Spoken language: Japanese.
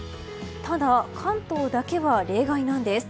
ただ、関東だけは例外なんです。